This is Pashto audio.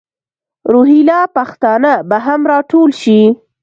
روهیله پښتانه به هم را ټول شي.